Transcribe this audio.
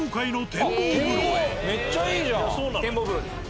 展望風呂です。